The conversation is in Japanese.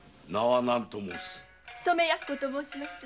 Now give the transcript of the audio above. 染奴と申します。